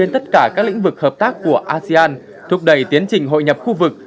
tất cả các lĩnh vực hợp tác của asean thúc đẩy tiến trình hội nhập khu vực